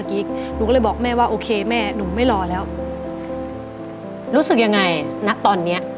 กิ๊กหนูก็เลยบอกแม่ว่าโอเคแม่หนูไม่รอแล้วรู้สึกยังไงนะตอนเนี้ย